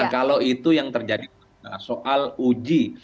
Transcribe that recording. kalau itu yang terjadi soal uji